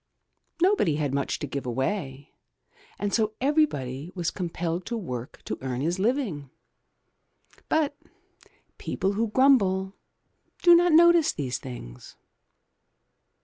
Nobody had much to give away, and so everybody was compelled to work to earn his living. But people who grumble do not notice these things.